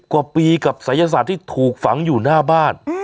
กว่าปีกับศัยศาสตร์ที่ถูกฝังอยู่หน้าบ้าน